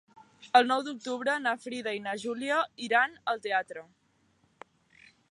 El nou d'octubre na Frida i na Júlia iran al teatre.